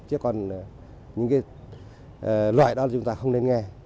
chứ còn những cái loại đó chúng ta không nên nghe